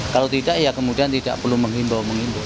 kalau tidak ya kemudian tidak perlu menghimbau menghimbau